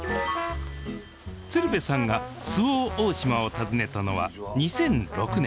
鶴瓶さんが周防大島を訪ねたのは２００６年。